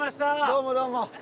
どうもどうも！